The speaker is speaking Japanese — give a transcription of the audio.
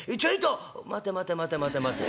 「待て待て待て待て待て。